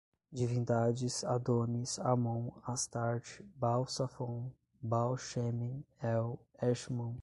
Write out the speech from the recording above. divindades, Adônis, Amon, Astarte, Baal Safon, Baal Shemen, El, Eshmun